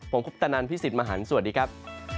ผมคุปตะนันพี่สิทธิ์มหันฯสวัสดีครับ